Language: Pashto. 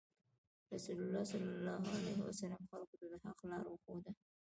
رسول الله خلکو ته د حق لار وښوده.